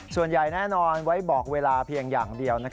ส่วนใหญ่แน่นอนไว้บอกเวลาเพียงอย่างเดียว